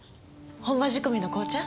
本場仕込みの紅茶？